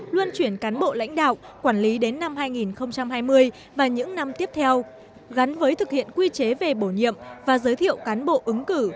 luân chuyển cán bộ lãnh đạo quản lý đến năm hai nghìn hai mươi và những năm tiếp theo gắn với thực hiện quy chế về bổ nhiệm và giới thiệu cán bộ ứng cử